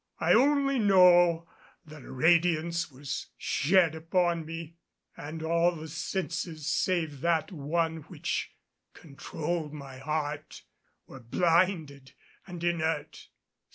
I only know that a radiance was shed upon me, and all the senses save that one which controlled my heart were blinded and inert.